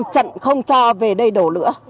chẳng không cho về đây đổ nữa